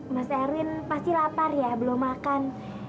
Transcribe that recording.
mas erwin pasti lapar ya belum makan